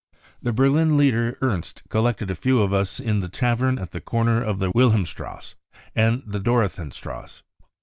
The Berlin group leader Ernst collected a few of us in the tavern at the corner of the Wilhelmstrasse and the Dorotheenstrasse.